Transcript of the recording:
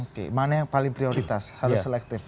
oke mana yang paling prioritas harus selektif